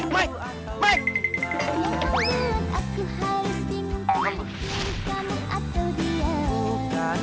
mall waring budab